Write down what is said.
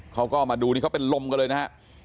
เขาก็มาดูนี่เขาเป็นลมกันเลยนะฮะ